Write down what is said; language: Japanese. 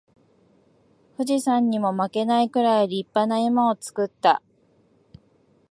富士山にも負けないくらい立派な山を作った